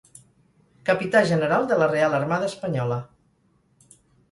Capità General de la Real Armada Espanyola.